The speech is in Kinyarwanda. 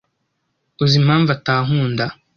Uzi impamvu atankunda?